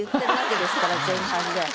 前半で。